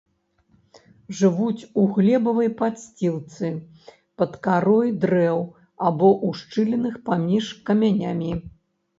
Жывуць у глебавай падсцілцы, пад карой дрэў або ў шчылінах паміж камянямі.